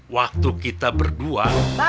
waktu kita berdua